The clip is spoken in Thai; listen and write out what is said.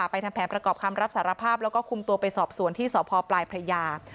ทำแผนประกอบคำรับสารภาพแล้วก็คุมตัวไปสอบสวนที่สพปลายพระยา